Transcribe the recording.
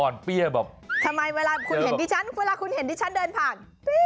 อ่อนเปี้ยบอกทำไมเวลาคุณเห็นที่ฉันเวลาคุณเห็นที่ฉันเดินผ่าน